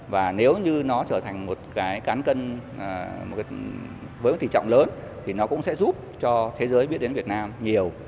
và nếu như nó trở thành một cái cán cân với một tỷ trọng lớn thì nó cũng sẽ giúp cho thế giới biết đến việt nam nhiều